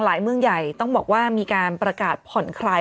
เมืองใหญ่ต้องบอกว่ามีการประกาศผ่อนคลาย